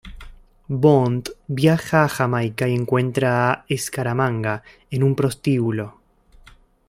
Bond viaja a Jamaica y encuentra a Scaramanga en un prostíbulo.